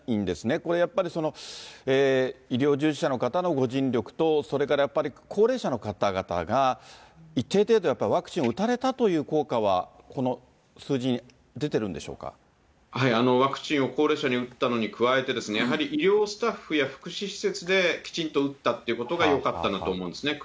これやっぱり、医療従事者の方のご尽力と、それからやっぱり高齢者の方々が一定程度、やっぱりワクチンを打たれたという効果はこワクチンを高齢者に打ったのに加えまして、やはり医療スタッフや福祉施設できちんと打ったってことがよかったと思うんですね。